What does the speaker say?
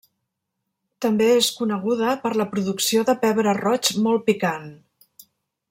També és coneguda per la producció de pebre roig molt picant.